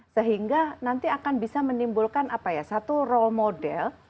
sehingga nanti akan bisa menimbulkan satu role model